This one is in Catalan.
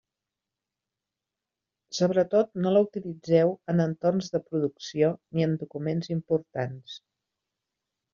Sobretot no la utilitzeu en entorns de producció ni en documents importants.